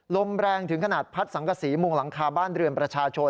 ลมแรงถึงขนาดพัดสังกษีมุงหลังคาบ้านเรือนประชาชน